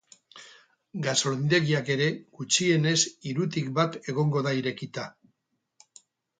Gasolindegiak ere, gutxienez hirutik bat egongo da irekita.